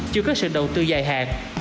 chưa có sự đầu tư dài hạn